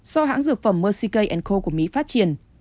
do hãng dược phẩm mercy k co của mỹ phát triển